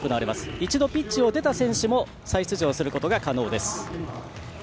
一度ピッチを出た選手も再出場することが可能です。